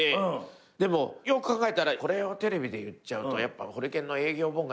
でもよく考えたらこれをテレビで言っちゃうとホリケンの営業妨害になるから。